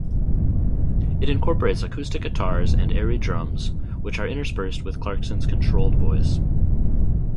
It incorporates acoustic guitars and airy drums which are interspersed with Clarkson's controlled voice.